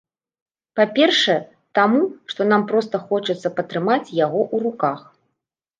Па-першае, таму, што нам проста хочацца патрымаць яго ў руках.